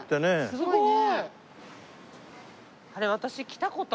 すごいね。